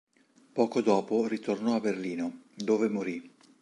Poco dopo ritornò a Berlino, dove morì.